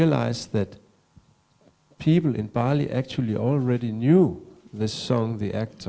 jadi kita tidak tahu apa apa tentang itu